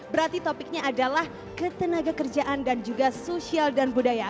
berarti topiknya adalah ketenaga kerjaan dan juga sosial dan budaya